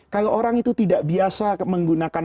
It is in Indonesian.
kalau orang itu tidak biasa menggunakan